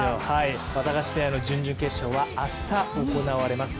ワタガシペアの準々決勝は明日行われます。